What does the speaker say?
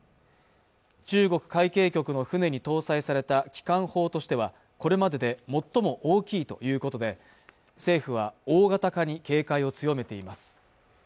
中国海警局の船に搭載された機関砲としてはこれまでで最も大きいということで政府は大型化に警戒を強めています